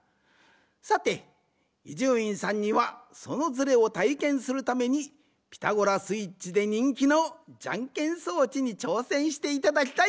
さて伊集院さんにはそのズレをたいけんするために「ピタゴラスイッチ」でにんきのじゃんけん装置にちょうせんしていただきたい。